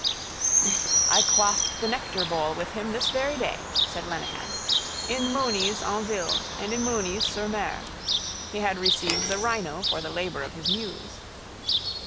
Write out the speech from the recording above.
—I quaffed the nectarbowl with him this very day, said Lenehan. In Mooney's en ville and in Mooney's sur mer. He had received the rhino for the labour of his muse.